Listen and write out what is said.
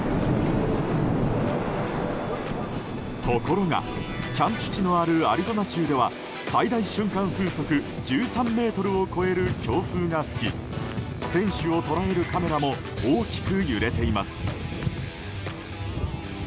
ところが、キャンプ地のあるアリゾナ州では最大瞬間風速１３メートルを超える強風が吹き選手を捉えるカメラも大きく揺れています。